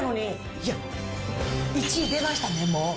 いや、１位出ましたね、もう。